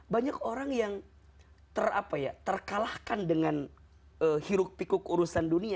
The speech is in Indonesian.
banyak orang yang ter apa ya terkalahkan dengan hiruk pikuk urusan dunia